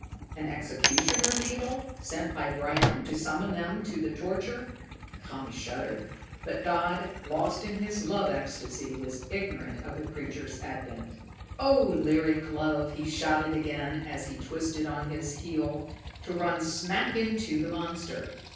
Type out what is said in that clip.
An executioner beetle, sent by Bram to summon them to the torture? Tommy shuddered, but Dodd, lost in his love ecstasy, was ignorant of the creature's advent. "'Oh lyric love '" he shouted again, as he twirled on his heel, to run smack into the monster.